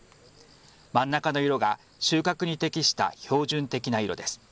真ん中の色が収穫に適した標準的な色です。